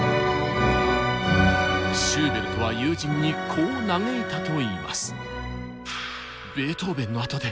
シューベルトは友人にこう嘆いたといいます。